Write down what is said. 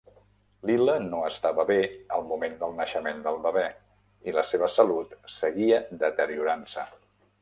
Lila no estava bé al moment del naixement del bebè, i la seva salud seguia deteriorant-se.